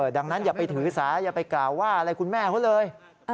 ดังนั้นอย่าไปถือสาอย่าไปกล่าวว่าอะไรคุณแม่เขาเลย